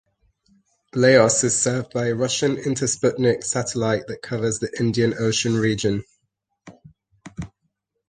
Laos is served by a Russian Intersputnik satellite that covers the Indian Ocean region.